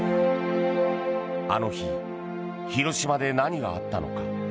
あの日、広島で何があったのか。